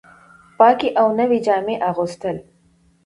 پاکې او نوې جامې اغوستل